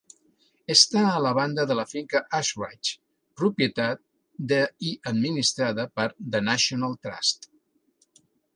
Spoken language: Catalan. Està a la banda de la finca Ashridge, propietat de i administrada per The National Trust.